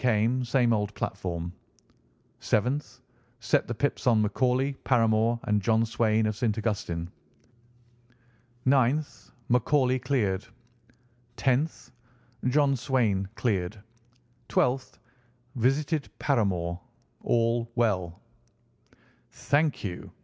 Same old platform. "7th. Set the pips on McCauley, Paramore, and John Swain of St. Augustine. "9th. McCauley cleared. "10th. John Swain cleared. "12th. Visited Paramore. All well." "Thank you!"